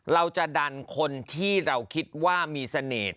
เราจะดันคนที่เราคิดว่ามีเสน่ห์